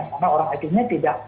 karena orang id nya tidak